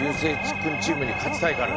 君チームに勝ちたいからね。